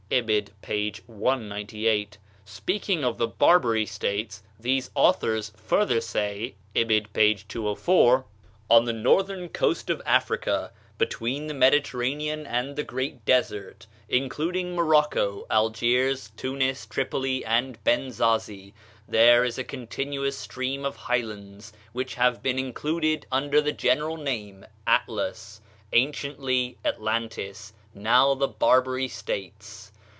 (Ibid., p. 198.) Speaking of the Barbary States, these authors further say (Ibid., p. 204): "On the northern coast of Africa, between the Mediterranean and the Great Desert, including Morocco, Algiers, Tunis, Tripoli, and Benzazi, there is a continuous system of highlands, which have been included under the general term Atlas anciently Atlantis, now the Barbary States....